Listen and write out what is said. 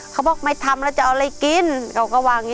เขาบอกไม่ทำแล้วจะเอาอะไรกิน